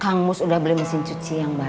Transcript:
kang mus udah beli mesin cuci yang baru